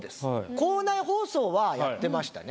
校内放送はやってましたね。